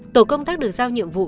tổ công tác được giao nhiệm vụ